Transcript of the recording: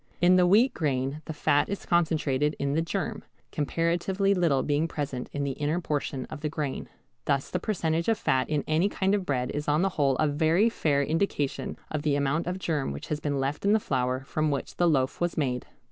In the wheat grain the fat is concentrated in the germ, comparatively little being present in the inner portion of the grain. Thus the percentage of fat in any kind of bread is on the whole a very fair indication of the amount of germ which has been left in the flour from which the loaf was made.